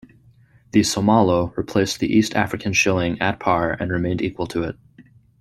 The somalo replaced the East African shilling at par and remained equal to it.